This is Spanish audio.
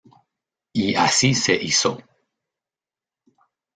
Y así se hizo.